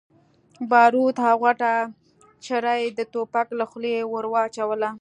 باروت او غټه چره يې د ټوپک له خولې ور واچوله.